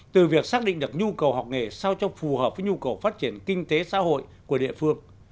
từ việc xác định được nhu cầu học nghề sao cho phù hợp với nhu cầu phát triển kinh tế xã hội của địa phương